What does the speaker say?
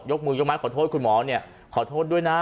มือยกไม้ขอโทษคุณหมอเนี่ยขอโทษด้วยนะ